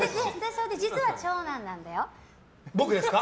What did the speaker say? それで、実は長男なんだよ。